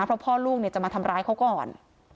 เพราะพ่อลูกจะมาทำร้ายเขาก่อน